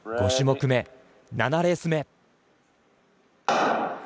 ５種目め、７レース目。